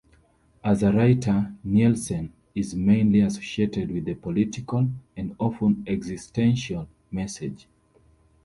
As a writer Nielsen is mainly associated with a political and often existential message.